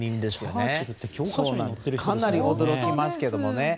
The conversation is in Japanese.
かなり驚きますけどもね。